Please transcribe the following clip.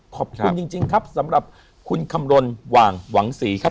ขอบคุณจริงครับสำหรับคุณคำรณหว่างหวังศรีครับ